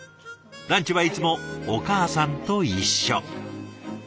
ランチはいつもお母さんと一緒。